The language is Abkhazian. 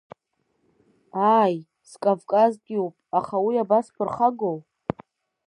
Ааи, скавказтәуп, аха уи абасԥырхагоу?